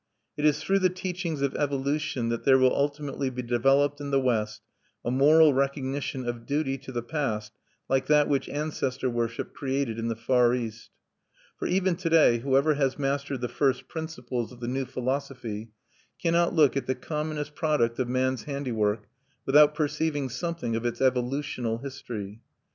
V It is through the teachings of evolution that there will ultimately be developed in the West a moral recognition of duty to the past like that which ancestor worship created in the Far East. For even to day whoever has mastered the first principles of the new philosophy cannot look at the commonest product of man's handiwork without perceiving something of its evolutional history.